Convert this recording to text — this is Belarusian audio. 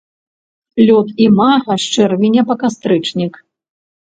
Лёт імага з чэрвеня па кастрычнік.